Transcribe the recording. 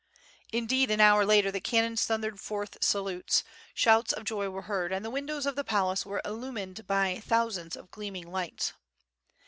Indeed an hour later the cannons thundered forth salutes, shouts of joy were heard, and the windows of the palace were iJlumined by thousands of gleaming lights.